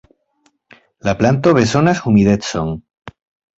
La planto bezonas humidecon.